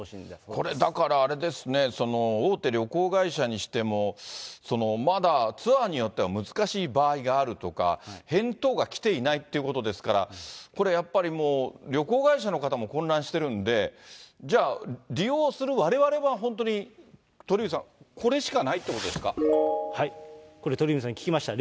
これ、だからあれですね、大手旅行会社にしても、まだツアーによっては難しい場合があるとか、返答が来ていないっていうことですから、これやっぱり、もう旅行会社の方も混乱してるんで、じゃあ、利用するわれわれは本当に鳥海さん、これ、鳥海さんに聞きました。